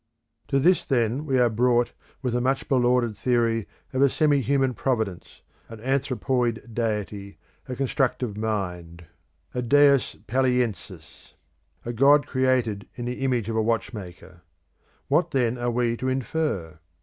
To this then we are brought with the much belauded theory of a semi human Providence, an anthropoid Deity, a Constructive Mind, a Deus Paleyensis, a God created in the image of a watchmaker. What then are we to infer?